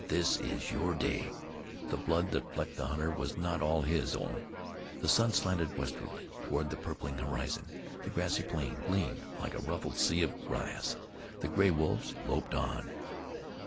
This is your day." The blood that flecked the hunter was not all his own. The sun slanted westwardly toward the purpling horizon; the grassy plain gleamed like a ruffled sea of glass; the gray wolves loped on.